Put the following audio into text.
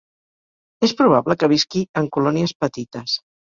És probable que visqui en colònies petites.